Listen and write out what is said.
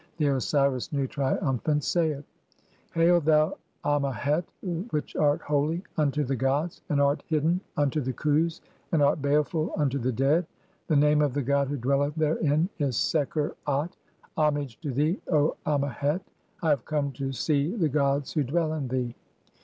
The Osiris Nu, triumphant, saith :— "Hail, thou Ammehet which art holy unto the gods, and art "hidden unto the Khus, (2) and art baleful unto the dead ; the "name of the god who dwelleth therein is Sekher At (?). Homage "to thee, O Ammehet, I have come (3) to see the gods who "dwell in thee.